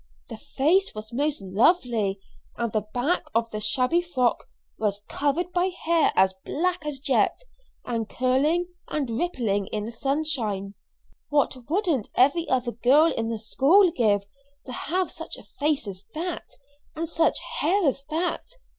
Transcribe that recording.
The face was most lovely, and the back of the shabby frock was covered by hair as black as jet, and curling and rippling in the sunshine. "What wouldn't every other girl in the school give to have such a face as that, and such hair as that?"